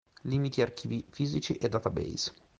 Limiti archivi fisici e database.